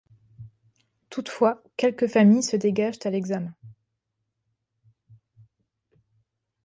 Toutefois, quelques familles se dégagent à l'examen.